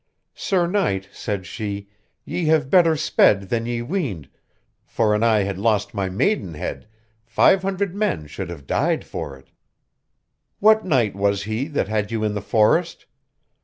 Sir knight, said she, ye have better sped than ye weened, for an I had lost my maidenhead, five hundred men should have died for it. What knight was he that had you in the forest?